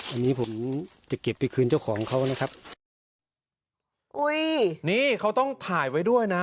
อันนี้ผมจะเก็บไปคืนเจ้าของเขานะครับอุ้ยนี่เขาต้องถ่ายไว้ด้วยนะ